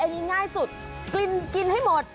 อันนี้ง่ายสุดกินให้หมด